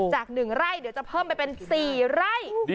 จาก๑ไร่เดี๋ยวจะเพิ่มไปเป็น๔ไร่